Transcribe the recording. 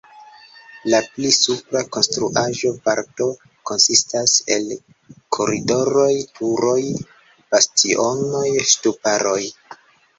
La pli supra konstruaĵo-parto konsistas el koridoroj, turoj, bastionoj, ŝtuparoj.